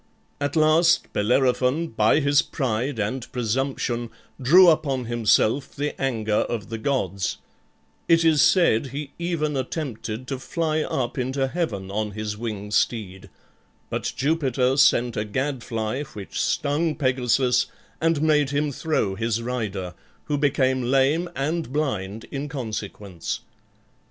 At last Bellerophon by his pride and presumption drew upon himself the anger of the gods; it is said he even attempted to fly up into heaven on his winged steed, but Jupiter sent a gadfly which stung Pegasus and made him throw his rider, who became lame and blind in consequence.